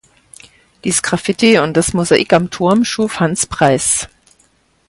Die Sgraffiti und das Mosaik am Turm schuf Hans Preiß.